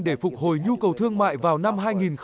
để phục hồi nhu cầu thương mại vào năm hai nghìn hai mươi